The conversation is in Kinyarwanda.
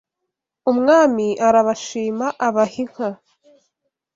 Umwami arabashima abaha inka